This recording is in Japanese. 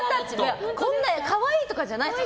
こんな可愛いとかじゃないです。